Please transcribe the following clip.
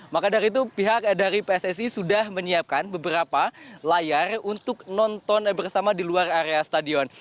maka dari itu pihak dari pssi sudah menyiapkan beberapa layar untuk nonton bersama di luar area stadion